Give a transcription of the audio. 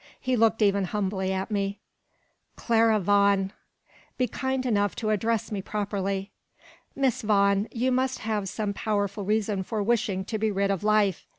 He looked even humbly at me. "Clara Vaughan " "Be kind enough to address me properly." "Miss Vaughan, you must have some powerful reason for wishing to be rid of life."